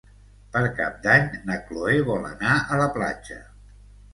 Per Cap d'Any na Cloè vol anar a la platja.